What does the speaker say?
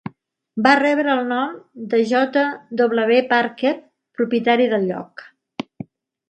Va rebre el nom de J. W. Parker, propietari del lloc.